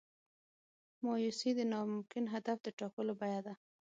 مایوسي د ناممکن هدف د ټاکلو بیه ده.